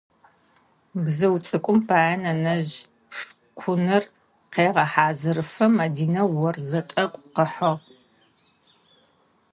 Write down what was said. Бзыу цӏыкӏум пае нэнэжъ шкъуныр къегъэхьазырыфэ Мадинэ орзэ тӏэкӏу къыхьыгъ.